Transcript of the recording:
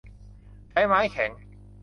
ใช้ไม้แข็ง